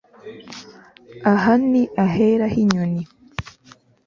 Aha ni ahera hinyoni